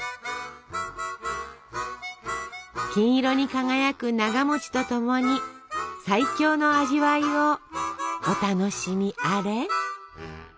金色に輝くながと共に最強の味わいをお楽しみあれ。